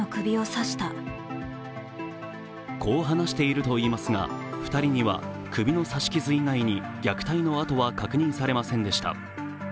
こう話しているといいますが２人には首の刺し傷以外に虐待の痕は確認されませんでした。